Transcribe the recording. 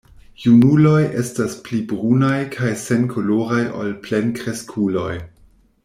Junuloj estas pli brunaj kaj senkoloraj ol plenkreskuloj.